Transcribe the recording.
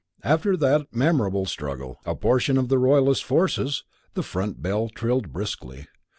After that memorable struggle, a portion of the royalist forces " The front door bell trilled briskly.